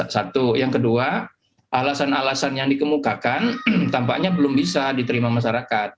satu yang kedua alasan alasan yang dikemukakan tampaknya belum bisa diterima masyarakat